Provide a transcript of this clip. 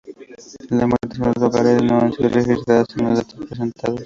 Las muertes en los hogares no han sido registradas en los datos presentados.